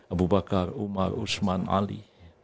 abu bakar umar usman ali